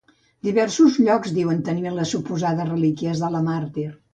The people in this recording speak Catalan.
Diversos llocs diuen tenir les suposades relíquies de la màrtir.